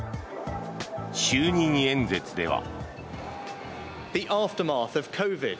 就任演説では。